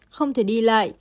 không thể đi lại